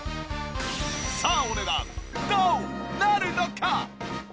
さあお値段どうなるのか！？